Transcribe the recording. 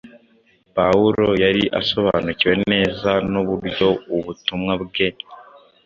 Pawulo yari asobanukiwe neza n’uburyo ubutumwa bwe